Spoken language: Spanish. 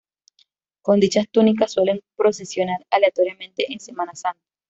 Con dichas túnicas suele procesionar aleatoriamente en Semana Santa.